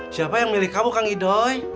siapa yang milih kamu kang idoy